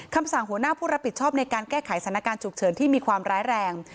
คำสั่งหัวหน้าผู้รับผิดชอบในการแก้ไขสถานการณ์ฉุกเฉินที่มีความร้ายแรง